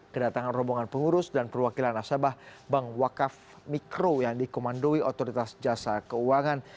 kedatangan rombongan pengurus dan perwakilan nasabah bank wakaf mikro yang dikomandoi otoritas jasa keuangan